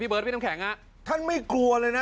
เบิร์ดพี่น้ำแข็งท่านไม่กลัวเลยนะ